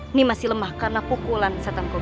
aku masih lemah karena pukulan satan kober